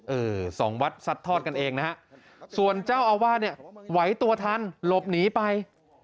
เออสองวัดซัดทอดกันเองนะฮะส่วนเจ้าอาวาสเนี่ยไหวตัวทันหลบหนีไป